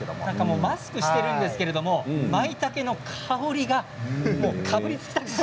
マスクをしているんですけれども、まいたけの香りがかぶりつきたくなる。